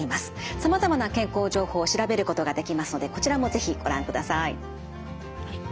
さまざまな健康情報を調べることができますのでこちらも是非ご覧ください。